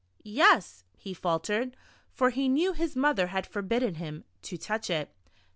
"Yes," he faltered (for he knew his mother had forbidden him to touch it).